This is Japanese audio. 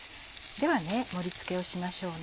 では盛り付けをしましょうね。